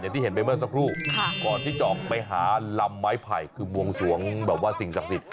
ที่เห็นไปเมื่อสักครู่ก่อนที่จะออกไปหาลำไม้ไผ่คือบวงสวงแบบว่าสิ่งศักดิ์สิทธิ